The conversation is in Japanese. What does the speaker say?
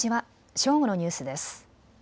正午のニュースです。